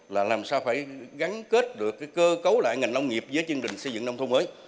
là làm sao phải gắn kết được cơ cấu lại ngành nông nghiệp với chương trình xây dựng nông thôn mới